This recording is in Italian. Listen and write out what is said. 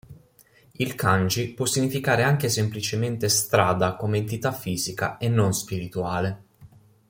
Il kanji può significare anche semplicemente strada come entità fisica e non spirituale.